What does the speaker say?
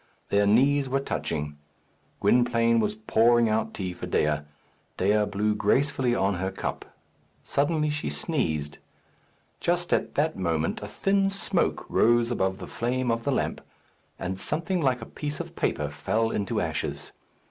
Their knees were touching. Gwynplaine was pouring out tea for Dea. Dea blew gracefully on her cup. Suddenly she sneezed. Just at that moment a thin smoke rose above the flame of the lamp, and something like a piece of paper fell into ashes.